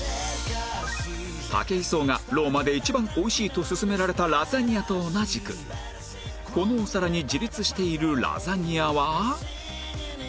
武井壮がローマで一番美味しいと薦められたラザニアと同じくこのお皿に自立しているラザニアは